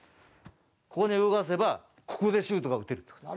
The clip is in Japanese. ここに動かせばここでシュートが打てるってこと。